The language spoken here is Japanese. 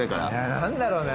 何だろうね。